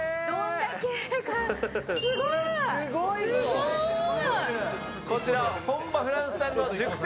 すごい。